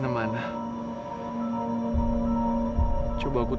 sampai jumpa lagi